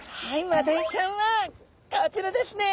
マダイちゃんはこちらですね！